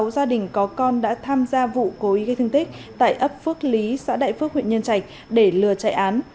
sáu gia đình có con đã tham gia vụ cố ý gây thương tích tại ấp phước lý xã đại phước huyện nhân trạch để lừa chạy án